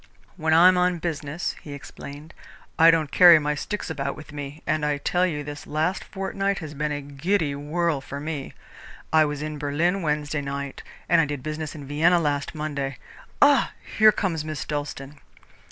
"When I am on business," he explained, "I don't carry my sticks about with me, and I tell you this last fortnight has been a giddy whirl for me. I was in Berlin Wednesday night, and I did business in Vienna last Monday. Ah! here comes Miss Dalstan."